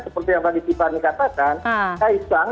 seperti yang tadi cipani katakan ksang